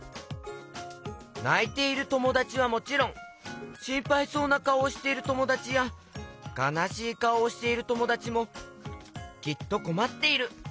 ないているともだちはもちろんしんぱいそうなかおをしているともだちやかなしいかおをしているともだちもきっとこまっている。